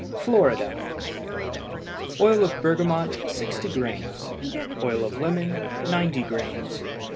FLORIDA. Oil of bergamot 60 grains. Oil of lemon 90 grains.